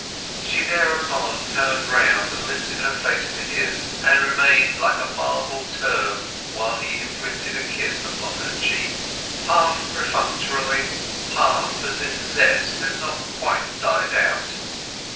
She thereupon turned round and lifted her face to his, and remained like a marble term while he imprinted a kiss upon her cheek—half perfunctorily, half as if zest had not yet quite died out.